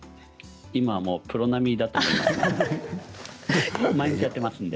今はもうプロ並みだと思います。